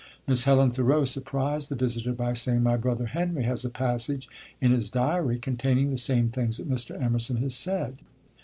Miss Helen Thoreau surprised the visitor by saying, "My brother Henry has a passage in his diary containing the same things that Mr. Emerson has said."